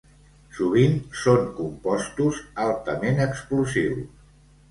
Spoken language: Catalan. Sovint són compostos altament explosius.